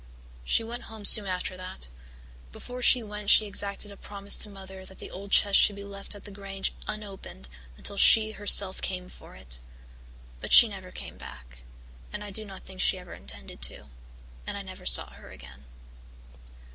"She went home soon after. Before she went she exacted a promise from Mother that the old chest should be left at the Grange unopened until she came for it herself. But she never came back, and I do not think she ever intended to, and I never saw her again.